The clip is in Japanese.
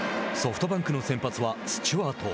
ソフトバンクの先発はスチュワート。